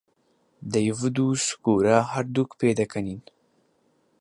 دەیڤد و سکورا هەردووک پێدەکەنین.